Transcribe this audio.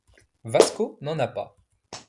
Vasco n'en a pas.